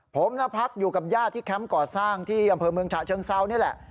ผมพักอยู่กับญาติที่แคมป์ก่อสร้างที่อำเภอเมืองฉะเชิงเซานี่แหละ